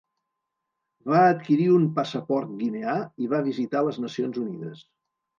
Va adquirir un passaport guineà i va visitar les Nacions Unides.